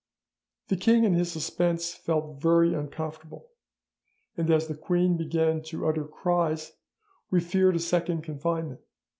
"'The king in his suspense felt very uncomfortable, and as the queen began to utter cries we feared a second confinement.